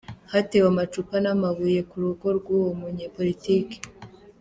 Hatewe amacupa n'amabuye ku rugo rw'uwo munyepolitike.